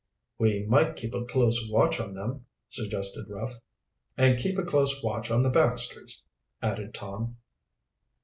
"We might keep a close watch on them," suggested Ruff. "And keep a close watch on the Baxters," added Tom.